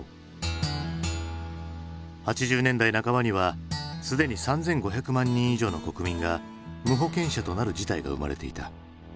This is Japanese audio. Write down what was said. ８０年代半ばにはすでに３，５００万人以上の国民が無保険者となる事態が生まれていた。